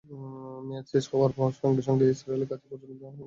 মেয়াদ শেষ হওয়ার সঙ্গে সঙ্গে ইসরায়েল গাজায় প্রচণ্ড বিমান হামলা শুরু করে।